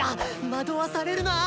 惑わされるな！